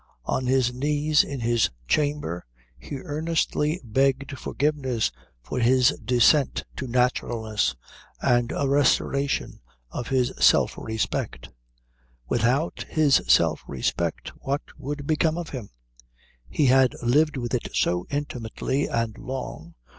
On his knees in his chamber he earnestly begged forgiveness for his descent to naturalness, and a restoration of his self respect. Without his self respect what would become of him? He had lived with it so intimately and long.